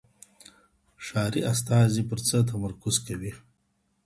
ښاري استازي پر څه تمرکز کوي؟